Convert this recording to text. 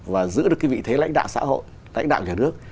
và giữ được cái vị thế lãnh đạo xã hội lãnh đạo nhà nước